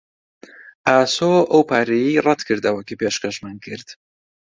ئاسۆ ئەو پارەیەی ڕەت کردەوە کە پێشکەشمان کرد.